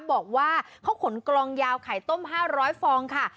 บอกว่าเขาขนกลองยาวไข่ต้ม๕๐๐ฟองค่ะ